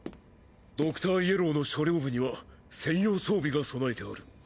ドクターイエローの車両部には専用装備が備えてある。